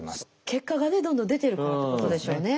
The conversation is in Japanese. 結果がねどんどん出てるからってことでしょうね。